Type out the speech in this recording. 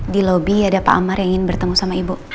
di lobi ada pak amar yang ingin bertemu sama ibu